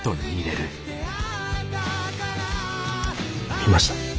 見ました？